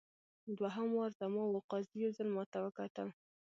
دوهم وار زما وو قاضي یو ځل ماته وکتل.